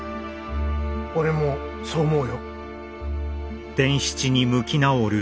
俺もそう思うよ。